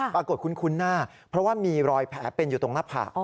คุ้นหน้าเพราะว่ามีรอยแผลเป็นอยู่ตรงหน้าผาก